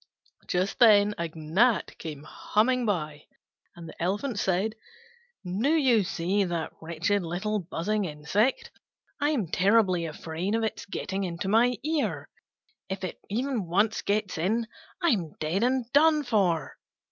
Just then a gnat came humming by, and the Elephant said, "Do you see that wretched little buzzing insect? I'm terribly afraid of its getting into my ear: if it once gets in, I'm dead and done for."